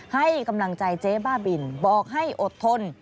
ให้กำลังใจเจ๊บ้าบินบอกให้อดทน